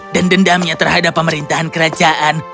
dan dendamnya terhadap pemerintahan kerajaan